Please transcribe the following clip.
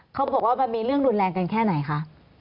เขาบอกว่ามันมีเรื่องรุนแรงกันแค่ไหนคะ